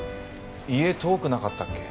家遠くなかったっけ？